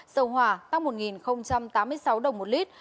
dầu hỏa tăng một tám mươi sáu đồng một lít